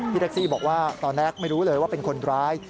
แท็กซี่บอกว่าตอนแรกไม่รู้เลยว่าเป็นคนร้าย